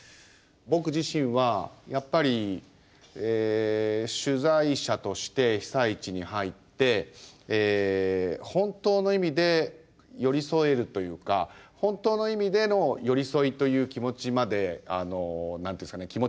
僕自身はやっぱり取材者として被災地に入って本当の意味で寄り添えるというか本当の意味での寄り添いという気持ちまであの何て言うんですかね